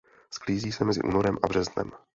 Sklízí se mezi únorem a březnem.